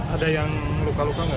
ada yang luka luka nggak